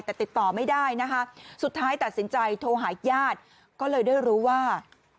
แต่ติดต่อไม่ได้นะคะสุดท้ายตัดสินใจโทรหาญาติก็เลยได้รู้ว่า